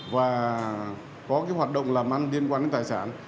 và có cái hoạt động làm ăn liên quan đến tài sản